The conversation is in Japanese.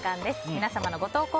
皆様のご投稿